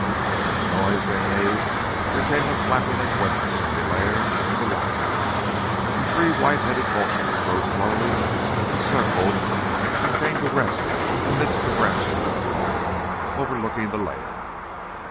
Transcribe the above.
At the noise they made there came a flapping of wings from the lair of the lion, and three white headed vultures rose slowly and circled and came to rest amidst the branches of an alder, overlooking the lair.